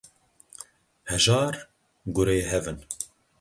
Hejar gurê hev in.